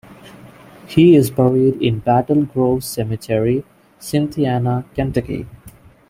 He is buried in Battle Grove Cemetery, Cynthiana, Kentucky.